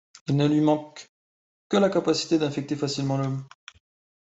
Il ne lui manque que la capacité d'infecter facilement l'homme.